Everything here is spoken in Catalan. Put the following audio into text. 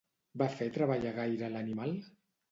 Van fer treballar gaire a l'animal?